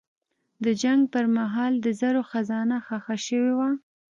د جنګ پر مهال د زرو خزانه ښخه شوې وه.